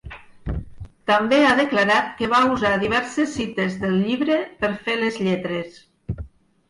També ha declarat que va usar diverses cites del llibre per fer les lletres.